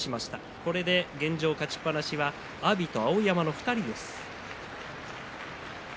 これで現状、勝ちっぱなしは阿炎、碧山の２人です。